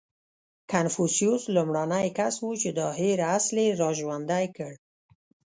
• کنفوسیوس لومړنی کس و، چې دا هېر اصل یې راژوندی کړ.